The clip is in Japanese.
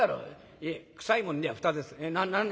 「いえ臭い物には蓋です」。